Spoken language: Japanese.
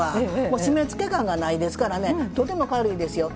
もう締めつけ感がないですからねとても軽いですよ。